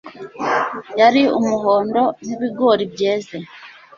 Yari umuhondo nkibigori byeze